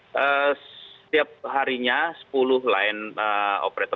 setiap harinya sepuluh line operator